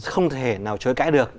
không thể nào chối cãi được